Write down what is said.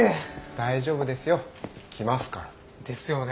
大丈夫ですよ。来ますから。ですよね。